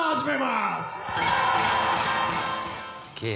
「すげえ！」